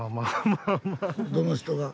どの人が？